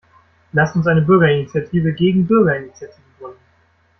Lasst uns eine Bürgerinitiative gegen Bürgerinitiativen gründen!